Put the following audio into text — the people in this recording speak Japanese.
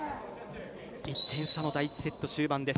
１点差の第１セット終盤です。